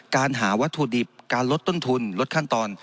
การหาวัตถุดิบการลดต้นทุนลดขั้นตอน